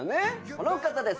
この方です。